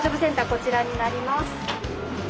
こちらになります。